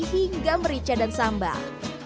hingga merica dan sambal